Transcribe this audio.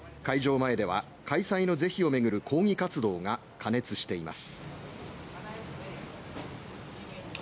前では開催の是非を巡る抗議活動が過熱しています。